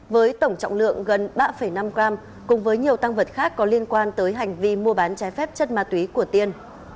với tổng trọng lượng gần ba năm gram cùng với nhiều tăng vật khác có liên quan tới hành vi mua bán trái phép chất ma túy của tiên